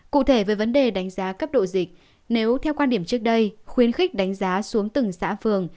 cụ thể về vấn đề đánh giá cấp độ dịch nếu theo quan điểm trước đây khuyến khích đánh giá xuống từng xã phường